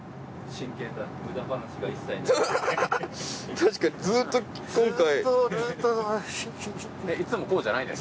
確かにずっと今回。